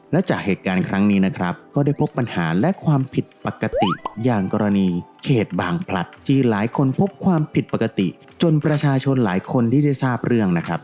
และจากเหตุการณ์ครั้งนี้นะครับก็ได้พบปัญหาและความผิดปกติอย่างกรณีเขตบางพลัดที่หลายคนพบความผิดปกติจนประชาชนหลายคนที่ได้ทราบเรื่องนะครับ